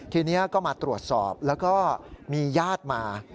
ทีนี้ก็มาตรวจสอบแล้วก็มีญาติมา